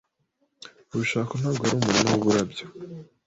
Urushako ntabwo ari umurima w’uburabyo